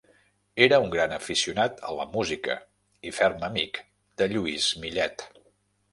Era un gran aficionat a la música i ferm amic de Lluís Millet.